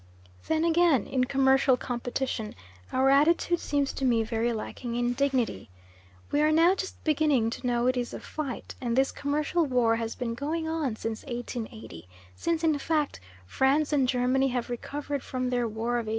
Then again in commercial competition our attitude seems to me very lacking in dignity. We are now just beginning to know it is a fight, and this commercial war has been going on since 1880 since, in fact, France and Germany have recovered from their war of 1870.